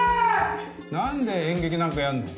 何で演劇なんかやんの？